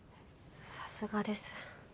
さすがです。